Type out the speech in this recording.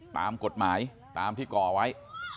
ตามกฎหมายตามที่ก่อไว้